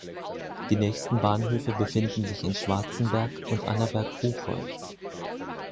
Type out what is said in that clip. Die nächsten Bahnhöfe befinden sich in Schwarzenberg und Annaberg-Buchholz.